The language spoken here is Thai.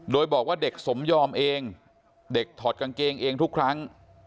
โดยบอกว่าเด็กสมยอมเองเด็กถอดกางเกงเองทุกครั้ง